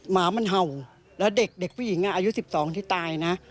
หมามันเห่าแล้วเด็กผู้หญิงอายุ๑๒ที่ตายนะ